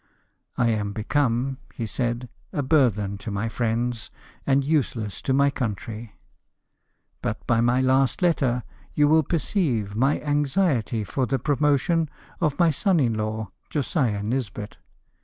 " I am become," he said, " a burthen to my friends, and useless to my country ; but by my last letter you will perceive my anxiety for the pro motion of my son in law, Josiah Nisbet.